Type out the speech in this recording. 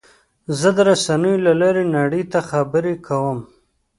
زه د رسنیو له لارې نړۍ ته خبرې کوم.